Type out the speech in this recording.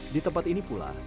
di tempat ini pula